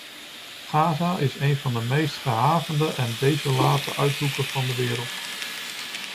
Gaza is een van de meest gehavende en desolate uithoeken van de wereld.